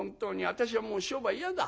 私はもう商売嫌だ。